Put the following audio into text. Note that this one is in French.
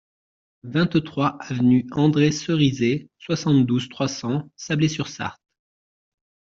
vingt-trois avenue André Cerisay, soixante-douze, trois cents, Sablé-sur-Sarthe